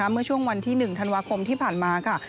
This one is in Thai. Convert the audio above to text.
เมื่อช่วงวันที่๑ธันวาคมที่ผ่านมาค่ะ